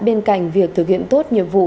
bên cạnh việc thực hiện tốt nhiệm vụ